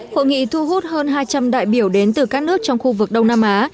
hội nghị thu hút hơn hai trăm linh đại biểu đến từ các nước trong khu vực đông nam á